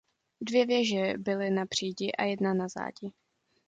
Dvě věže byly na přídi a jedna na zádi.